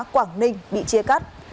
quảng ninh bị chia cắt